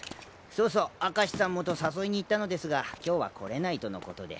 そうそう明石さんもと誘いに行ったのですが今日は来れないとのことで。